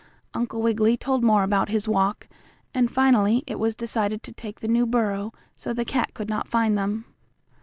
Uncle Wiggily told more about his walk, and finally it was decided to take the new burrow, so the cat could not find them.